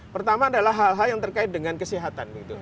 pertama adalah hal hal yang terkait dengan kesehatan